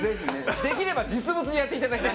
できれば実物でやっていただきたい。